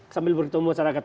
sambil bertemu masyarakat